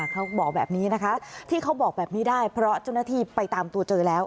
เขาบอกแบบนี้นะคะที่เขาบอกแบบนี้ได้เพราะเจ้าหน้าที่ไปตามตัวเจอแล้ว